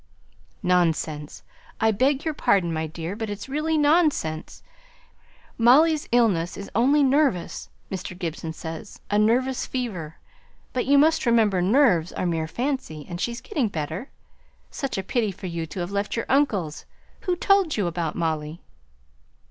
"Nonsense! I beg your pardon, my dear, but it's really nonsense. Molly's illness is only nervous, Mr. Gibson says. A nervous fever; but you must remember nerves are mere fancy, and she's getting better. Such a pity for you to have left your uncle's. Who told you about Molly?"